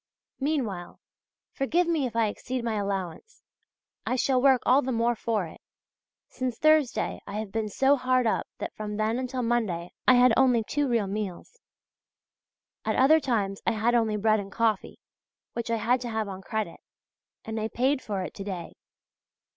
Meanwhile, forgive me if I exceed my allowance; I shall work all the more for it. Since Thursday I have been so hard up that from then until Monday I had only two real meals. At other times I had only bread and coffee, which I had to have on credit and I paid for it to day.